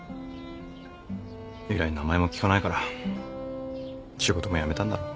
以来名前も聞かないから仕事も辞めたんだろ。